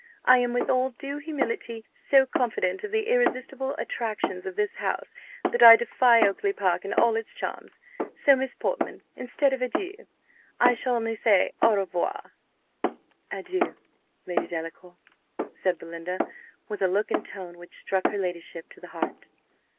I am, with all due humility, so confident of the irresistible attractions of this house, that I defy Oakly park and all its charms. So, Miss Portman, instead of adieu, I shall only say, au revoir!" "Adieu, Lady Delacour!" said Belinda, with a look and tone which struck her ladyship to the heart.